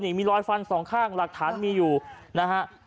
นี่มีรอยฟันสองข้างหลักฐานมีอยู่นะฮะ